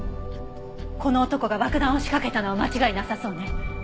この男が爆弾を仕掛けたのは間違いなさそうね。